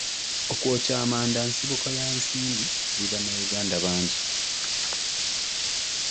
Okwokya amanda nsibuko ya nsimbi eri bannayuganda bangi.